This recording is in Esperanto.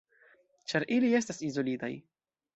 Ĉar ili estas izolitaj.